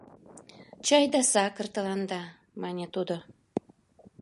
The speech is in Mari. Чай да сакыр тыланда, — мане тудо.